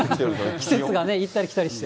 季節がね、行ったり来たりして。